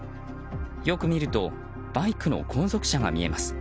よく見るとバイクの後続車が見えます。